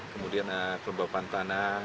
kemudian kelembapan tanah